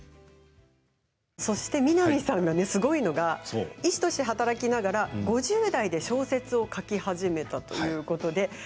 そして、南さんがねすごいのが医師として働きながら５０代で小説を書き始めたということで。